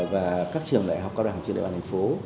và các trường đại học cao đẳng trên đại bản thành phố